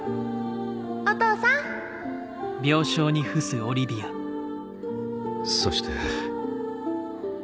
お父さんそして。